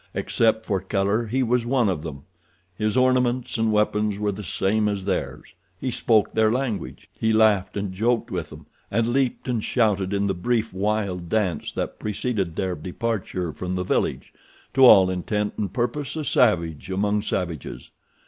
Except for color he was one of them. His ornaments and weapons were the same as theirs—he spoke their language—he laughed and joked with them, and leaped and shouted in the brief wild dance that preceded their departure from the village, to all intent and purpose a savage among savages.